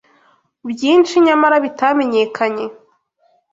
Byinshi nyamara bitamenyekanye